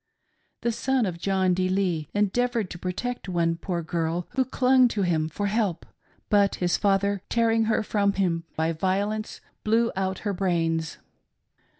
The son of John D. Lee endeavored to protect one poor girl who clung to him for help ; but his father, tearing her from him by violence, blew out her brains.